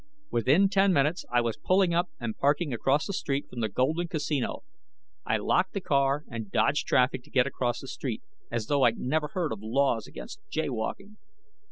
Within ten minutes, I was pulling up and parking across the street from the Golden Casino. I locked the car and dodged traffic to get across the street, as though I'd never heard of laws against jaywalking.